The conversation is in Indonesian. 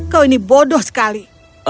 kau ini bodoh sekali